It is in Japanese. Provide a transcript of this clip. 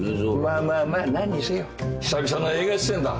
まあまあまあ何にせよ久々の映画出演だ。